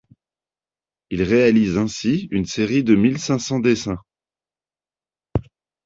Il réalise ainsi une série de mille cinq cents dessins.